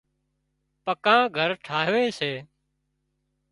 پڪان گھر ٽاهوي سي